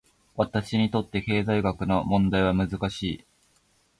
私にとって、経済学の問題は難しい。